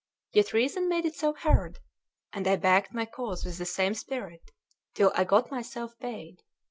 Yet reason made itself heard; and I backed my cause with the same spirit, till I got myself paid.